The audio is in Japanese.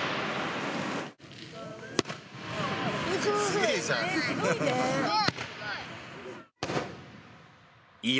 すごーい！